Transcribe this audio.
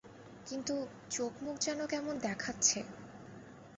কিন্তু চোখ-মুখ যেন কেমন দেখাচ্ছে।